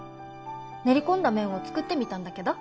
練り込んだ麺を作ってみたんだけど。